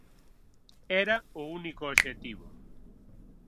Era o único obxectivo.